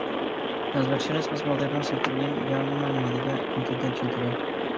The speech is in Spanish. Las versiones más modernas incluyen ya una almohadilla con tinta en su interior.